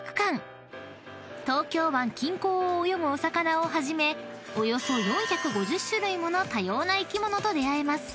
［東京湾近郊を泳ぐお魚をはじめおよそ４５０種類もの多様な生き物と出合えます］